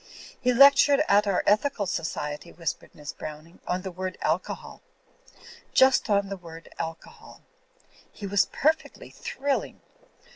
"He lectured at our Ethical Society," whispered Miss Browning, "on the word Alcohol. Just on the word Alcohol. He was perfectly thrilling.